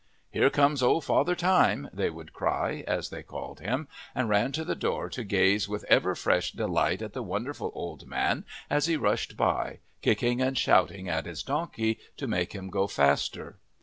"Here comes old Father Time," they would cry, as they called him, and run to the door to gaze with ever fresh delight at the wonderful old man as he rushed by, kicking and shouting at his donkey to make him go faster.